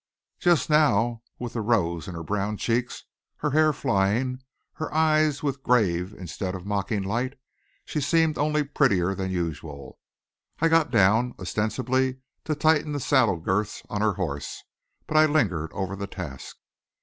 Just now with the rose in her brown cheeks, her hair flying, her eyes with grave instead of mocking light, she seemed only prettier than usual. I got down ostensibly to tighten the saddle girths on her horse. But I lingered over the task.